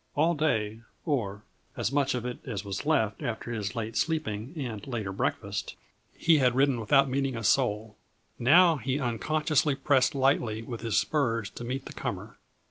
All day or as much of it as was left after his late sleeping and later breakfast he had ridden without meeting a soul; now he unconsciously pressed lightly with his spurs to meet the comer.